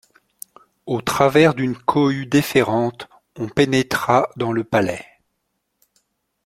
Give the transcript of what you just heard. Au travers d'une cohue déférente, on pénétra dans le Palais.